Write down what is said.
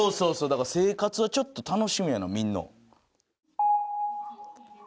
だから生活はちょっと楽しみやな見るの。